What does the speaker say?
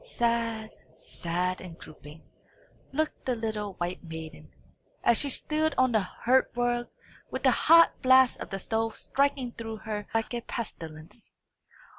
Sad, sad and drooping, looked the little white maiden, as she stood on the hearth rug, with the hot blast of the stove striking through her like a pestilence.